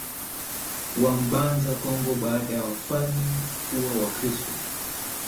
wa Mbanza Kongo Baada ya wafalme kuwa Wakristo